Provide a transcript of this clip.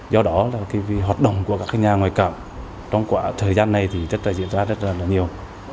do đó là cái hoạt động của các nhà ngoại cảm trong quãng thời gian này thì rất đã diễn ra rất là nhiều